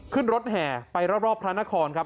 ขึ้นรถแห่ไปรอบพระนครครับ